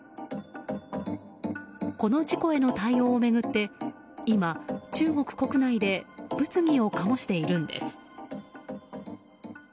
この事故への対応を巡って今、中国国内で物議を醸しているんです。